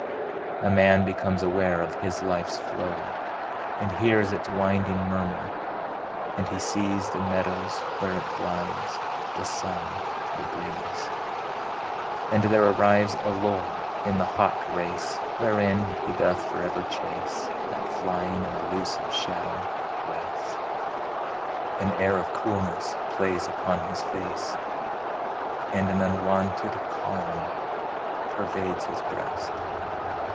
A man becomes aware of his life's flow, And hears its winding murmur; and he sees The meadows where it glides, the sun, the breeze. And there arrives a lull in the hot race Wherein he doth for ever chase That flying and elusive shadow, rest. An air of coolness plays upon his face, And an unwonted calm pervades his breast.